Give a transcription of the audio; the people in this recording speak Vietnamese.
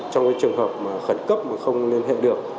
trong trường hợp khẩn cấp mà không liên hệ được